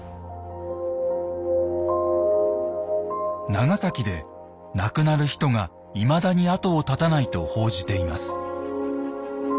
長崎で亡くなる人がいまだに後を絶たないと報じています。